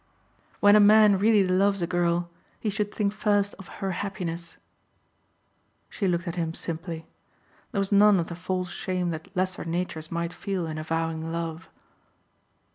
"When a man really loves a girl he should think first of her happiness." She looked at him simply. There was none of the false shame that lesser natures might feel in avowing love.